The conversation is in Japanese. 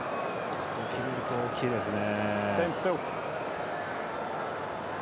ここ決めると大きいですね。